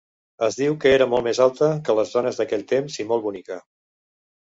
Es diu que era molt més alta que les dones d'aquell temps i molt bonica.